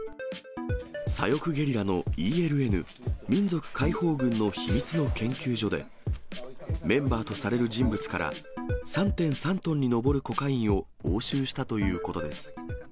左翼ゲリラのＥＬＮ・民族解放軍の秘密の研究所で、メンバーとされる人物から、３．３トンに上るコカインを押収したということです。